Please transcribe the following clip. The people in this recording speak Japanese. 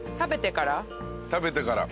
食べてから？